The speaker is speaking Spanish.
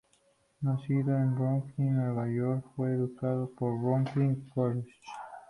Nacido en Brooklyn, Nueva York, fue educado en Brooklyn College.